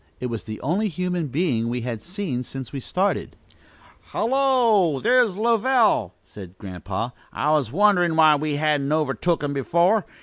It was the only human being we had seen since we started. "Hullo, there's Lovell!" exclaimed Grandpa. "I was wonderin' why we hadn't overtook him before.